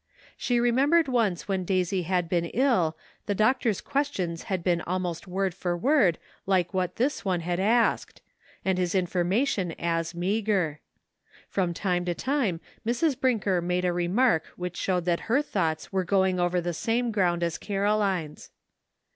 She remembered once when Daisy had been ill, the doctor's questions had been almost word for word like what this one had asked, and his information as meager. From time to time Mrs. Brinker made a re mark which showed that her thoughts were going over the same ground as Caroline's.